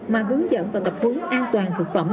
mà hướng dẫn và tập huấn an toàn thực phẩm